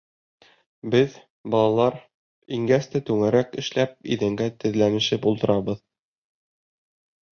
Беҙ, балалар, ингәс тә түңәрәк эшләп иҙәнгә теҙләнешеп ултырабыҙ.